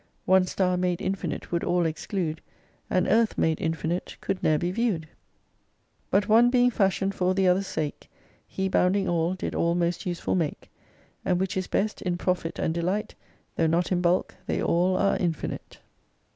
One star made infinite would all exclude. An earth made infinite could ne'er^be viewed : 173 But one being fashioned for the other's sake, He, bounding all, did all most useful make : And which is best, in profit and delight Tho' not in bulk, they all are infinite.